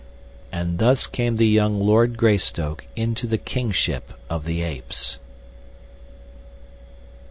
And thus came the young Lord Greystoke into the kingship of the Apes.